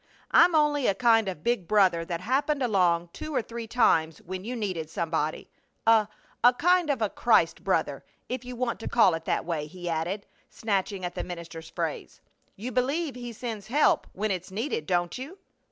I'm only a kind of big brother that happened along two or three times when you needed somebody a a kind of a Christ brother, if you want to call it that way," he added, snatching at the minister's phrase. "You believe He sends help when it's needed, don't you?"